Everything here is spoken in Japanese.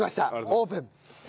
オープン。